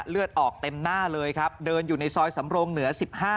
เลือดออกเต็มหน้าเลยครับเดินอยู่ในซอยสำรงเหนือ๑๕